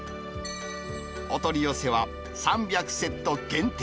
お取り寄せは、３００セット限定。